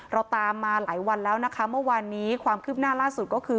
เราตามมาหลายวันแล้วนะคะเมื่อวานนี้ความคืบหน้าล่าสุดก็คือ